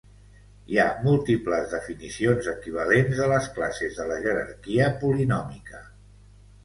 Hi ha múltiples definicions equivalents de les classes de la jerarquia polinòmica.